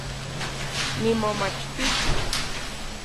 Nimomachtiti